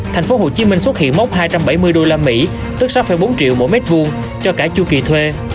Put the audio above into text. tp hcm xuất hiện mốc hai trăm bảy mươi usd tức sáu bốn triệu mỗi mét vuông cho cả chu kỳ thuê